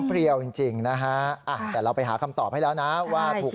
เรียวจริงนะฮะแต่เราไปหาคำตอบให้แล้วนะว่าถูก